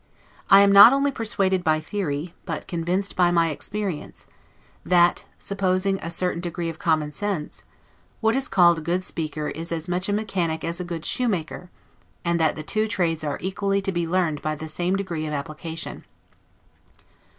I am not only persuaded by theory, but convinced by my experience, that (supposing a certain degree of common sense) what is called a good speaker is as much a mechanic as a good shoemaker; and that the two trades are equally to be learned by the same degree of application.